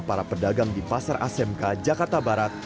para pedagang di pasar asmk jakarta barat